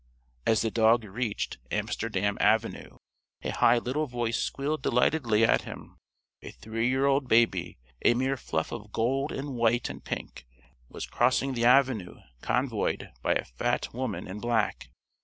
As the dog reached Amsterdam Avenue a high little voice squealed delightedly at him. A three year old baby a mere fluff of gold and white and pink was crossing the avenue convoyed by a fat woman in black.